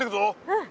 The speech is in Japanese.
うん。